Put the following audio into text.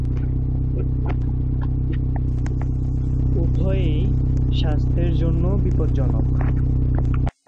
উভয়েই স্বাস্থ্যের জন্য বিপজ্জনক।